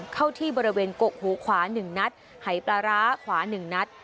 เข้าที่บริเวณกกหูขวา๑นัดหายปลาร้าขวา๑นัด